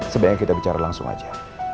sebaiknya kita bicara langsung aja